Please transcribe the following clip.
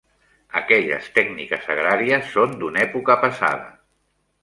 Aquelles tècniques agràries són d'una època passada.